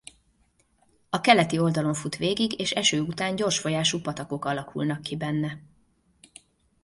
A keleti oldalon fut végig és eső után gyors folyású patakok alakulnak ki benne.